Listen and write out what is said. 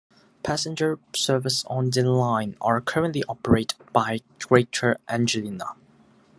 Passenger services on the line are currently operated by Greater Anglia.